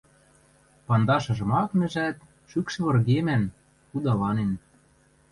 Пандашыжым ак нӹжӓт, шӱкшӹ выргемӓн, худаланен